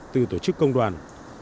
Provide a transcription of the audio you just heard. từ tổ chức công đoàn